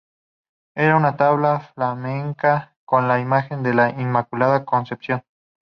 Era una tabla flamenca con la imagen de la Inmaculada Concepción.